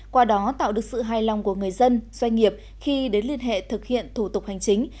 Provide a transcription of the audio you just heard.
qua đó tạo được sự hài lòng của người dân doanh nghiệp khi đến liên hệ thực hiện thủ tục hành chính